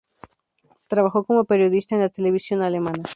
Trabajó como periodista en la televisión alemana.